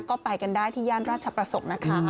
ก็ไปกันได้ที่ย่านราชประสงค์นะคะ